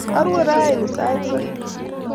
Arue raini sait somok